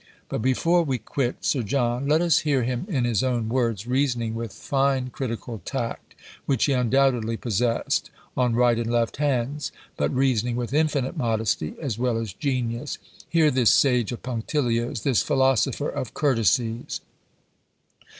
But before we quit Sir John, let us hear him in his own words, reasoning with fine critical tact, which he undoubtedly possessed, on right and left hands, but reasoning with infinite modesty as well as genius. Hear this sage of punctilios, this philosopher of courtesies.